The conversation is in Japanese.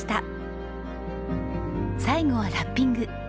最後はラッピング。